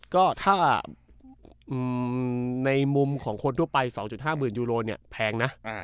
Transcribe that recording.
ก็ถ้าในมุมของคนทั่วไป๒๕หมื่นยูโรเนี่ยแพงนะ